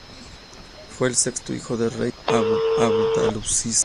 Fue el sexto hijo del Rey Abdulaziz.